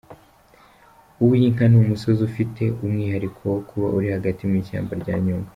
Uwinka ni umusozi ufite umwihariko wo kuba uri hagati mu ishamba rya Nyungwe.